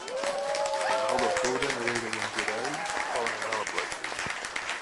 El nou d'octubre na Vera i en Gerai volen anar a la platja.